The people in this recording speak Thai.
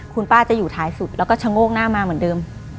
คุณป้าจะอยู่ท้ายสุดแล้วก็ชะโงกหน้ามาเหมือนเดิม